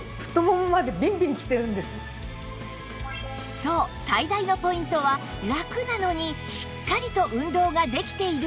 そう最大のポイントはラクなのにしっかりと運動ができている事